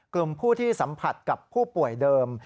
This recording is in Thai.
กลุ่มผู้ที่สัมผัสกับผู้ป่วยเดิม